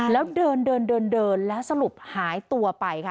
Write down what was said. แล้วเดินเดินแล้วสรุปหายตัวไปค่ะ